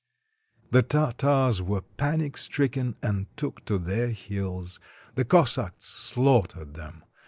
The Tartars were panic stricken, and took to their heels. The Cossacks slaughtered them.